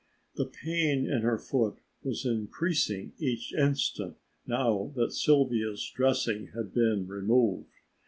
The pain in her foot was increasing each instant now that Sylvia's dressing had been removed.